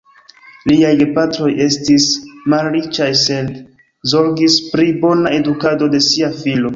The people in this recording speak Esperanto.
Liaj gepatroj estis malriĉaj, sed zorgis pri bona edukado de sia filo.